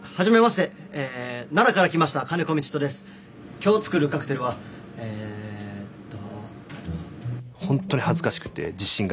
今日作るカクテルはえっと。